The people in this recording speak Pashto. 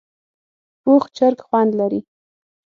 پوخ چرګ خوند لري